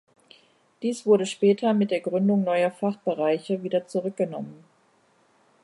Dies wurde später mit der Gründung neuer Fachbereiche wieder zurückgenommen.